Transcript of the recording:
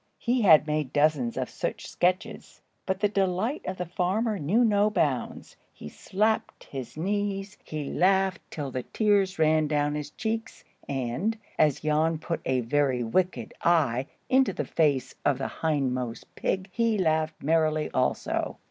He had made dozens of such sketches. But the delight of the farmer knew no bounds. He slapped his knees, he laughed till the tears ran down his cheeks, and, as Jan put a very wicked eye into the face of the hindmost pig, he laughed merrily also.